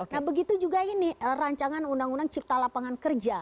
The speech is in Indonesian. nah begitu juga ini rancangan undang undang cipta lapangan kerja